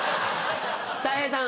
たい平さん。